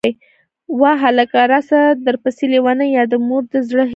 واه هلکه!!! راسه درپسې لېونۍ يه ، د مور د زړه هيلهٔ